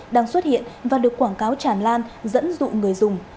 đang xuất hiện và được quảng cáo tràn lan dẫn dụ người dùng